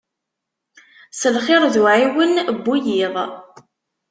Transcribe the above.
S lxir d uɛiwen n wiyiḍ.